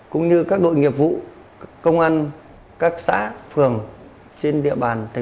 cũng như các đội nghiệp vụ công an các xã phường trên địa bàn tp hcm